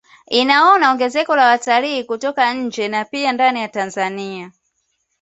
Inaona ongezeko la watalii kutoka nje na pia na ndani ya Tanzania